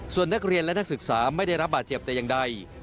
ส่วนนักเรียนและนักศึกษาไม่ได้รับบาดเจ็บแต่อย่างใด